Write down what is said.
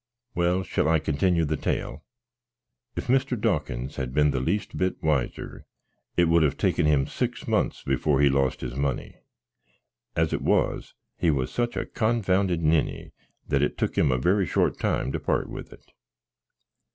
Well, shall I continue the tail? If Mr. Dawkins had been the least bit wiser, it would have taken him six months befoar he lost his money; as it was, he was such a confounded ninny, that it took him a very short time to part with it.